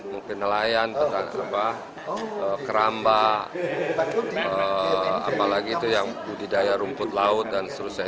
mungkin nelayan keramba apalagi itu yang budidaya rumput laut dan seterusnya